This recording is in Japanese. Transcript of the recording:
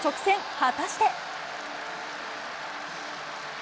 果たして。